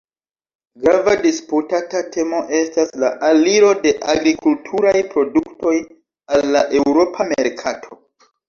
Grava disputata temo estas la aliro de agrikulturaj produktoj al la eŭropa merkato.